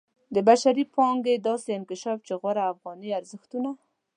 د بشري پانګې داسې انکشاف چې غوره افغاني ارزښتونو